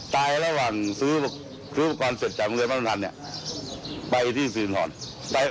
ตายระหว่างซื้อประกวัติเสร็จจากเมืองพันธนธรรมนี้